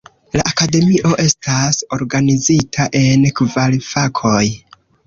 La akademio estas organizita en kvar fakoj.